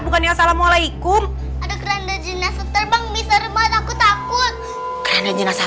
bukan ya assalamualaikum ada keranda jenazah terbang bisa rebah takut takut keranda jenazah